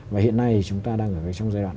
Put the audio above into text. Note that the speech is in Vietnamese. và hiện nay thì chúng ta đang ở trong giai đoạn